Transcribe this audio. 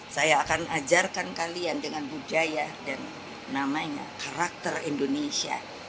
saya akan ajarkan kalian dengan budaya dan namanya karakter indonesia